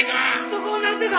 そこをなんとか！